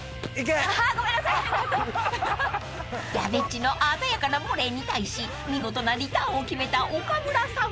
［やべっちの鮮やかなボレーに対し見事なリターンを決めた岡村さん］